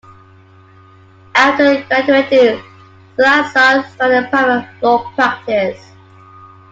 After graduating, Salazar started private law practice.